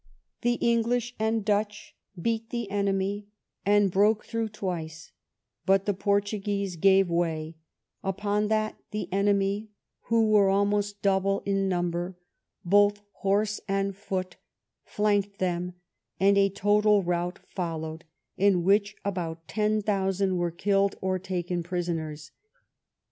The English and Dutch beat the enemy, and broke through twice; but the Portuguese gave way; upon that the enemy, who were almost double in number, both horse and foot, flanked them, and a total rout followed in which about ten thousand were killed or taken prisoners.